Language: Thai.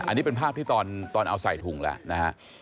อันนี้เป็นภาพที่ตอนเอาใส่ถุงแล้วนะฮะ